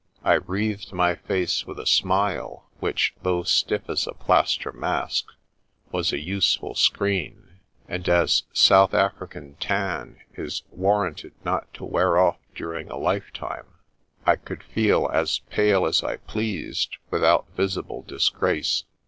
I wreathed my face with a smile which, though stiff as a plaster mask, was a useful screen; and as South African tan is war ranted not to wear off during a lifetime, I could feel as pale as I pleased without visible disgrace.